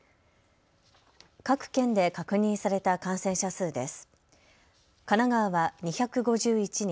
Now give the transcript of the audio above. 各県で確認された感染者数です。